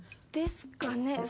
ですかね？